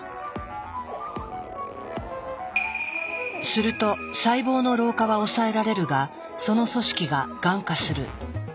すると細胞の老化は抑えられるがその組織ががん化する。